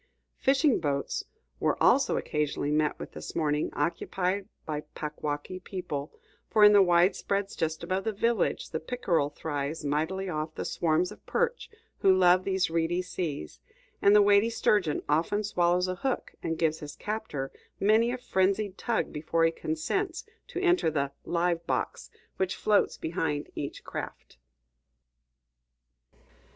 Fishing boats were also occasionally met with this morning, occupied by Packwaukee people; for in the widespreads just above this village, the pickerel thrives mightily off the swarms of perch who love these reedy seas; and the weighty sturgeon often swallows a hook and gives his captor many a frenzied tug before he consents to enter the "live box" which floats behind each craft.